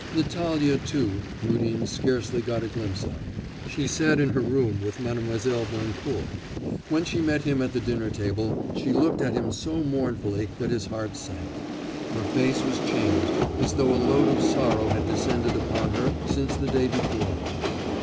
Natalya, too, Rudin scarcely got a glimpse of: she sat in her room with Mlle. Boncourt. When she met him at the dinner table she looked at him so mournfully that his heart sank. Her face was changed as though a load of sorrow had descended upon her since the day before.